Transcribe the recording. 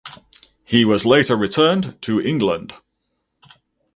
He was later returned to England.